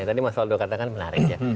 tadi mas waldo katakan menarik ya